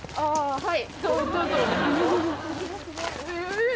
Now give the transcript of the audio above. はい。